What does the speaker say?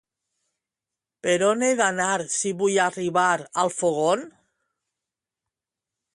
Per on he d'anar si vull arribar al Fogón?